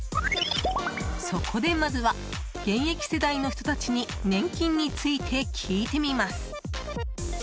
そこでまずは現役世代の人たちに年金について聞いてみます。